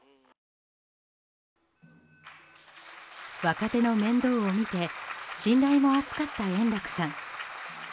若手の面倒を見て信頼も厚かった円楽さん。